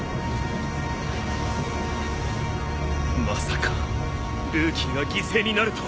まさかルーキーが犠牲になるとは。